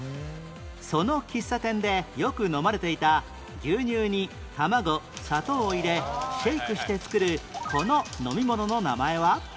その喫茶店でよく飲まれていた牛乳に卵砂糖を入れシェイクして作るこの飲み物の名前は？